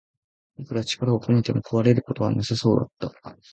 いくら力を込めても壊れることはなさそうだった